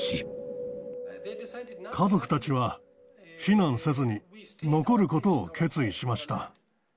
家族たちは避難せずに、残ることを決意しました。